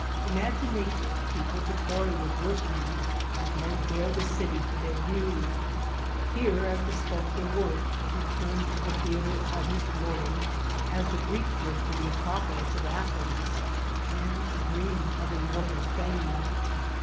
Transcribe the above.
Imagination peopled the quarry with workmen, and laid bare the city to their view. Here, as the sculptor worked, he turned to the theatre of his glory, as the Ghreek did to the ActopoiiB of Athens, and dreamed of immortal fame.